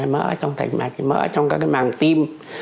mỡ trong mạch mỡ trong các màng tim